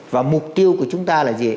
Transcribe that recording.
và mục tiêu của chúng ta là gì